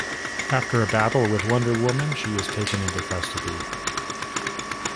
After a battle with Wonder Woman, she is taken into custody.